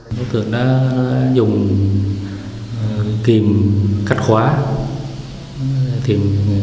đối tượng đã dùng tiềm cắt khóa để trộm cắp tài sản